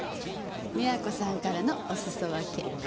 美和子さんからのおすそわけ。